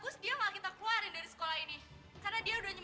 sampai jumpa di video selanjutnya